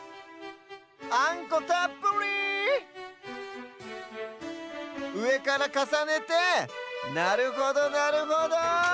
あんこたっぷり！うえからかさねてなるほどなるほど。